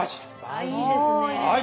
おいいですね。